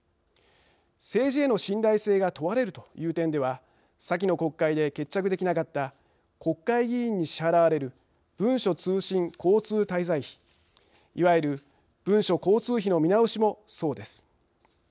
政治への信頼性が問われるという点では先の国会で決着できなかった国会議員に支払われる文書通信交通滞在費いわゆる文書交通費の見直しもそうです。